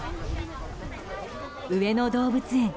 上野動物園。